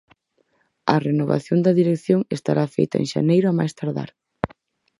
A renovación da dirección estará feita en xaneiro a máis tardar.